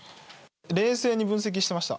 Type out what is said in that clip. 冷静に分析していました。